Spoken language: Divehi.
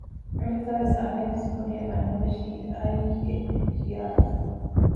އަނެއްކާވެސް އަހަރެންގެ ސިކުނޑިއަށް އަންނަންފެށީ އައީގެ ޚިޔާލުތައް